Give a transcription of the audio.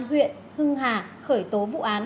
huyện hưng hà khởi tố vụ án